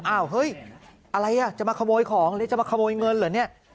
อ้าวเฮ้ยอะไรอ่ะจะมาขโมยของหรือจะมาขโมยเงินเหรอเนี่ย